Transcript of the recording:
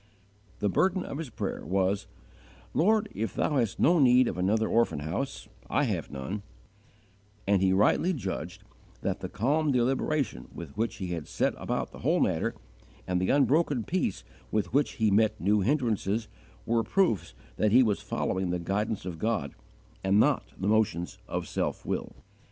The burden of his prayer was, "Lord, if Thou hast no need of another orphan house, I have none"; and he rightly judged that the calm deliberation with which he had set about the whole matter, and the unbroken peace with which he met new hindrances, were proofs that he was following the guidance of God and not the motions of self will.